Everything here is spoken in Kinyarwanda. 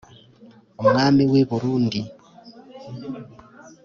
Umwami w'i Burundi :